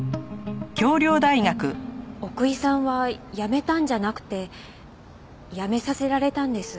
奥居さんは辞めたんじゃなくて辞めさせられたんです。